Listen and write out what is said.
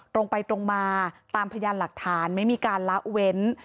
ตรงไปตรงมาตามพยานหลักฐานไม่มีการละเว้น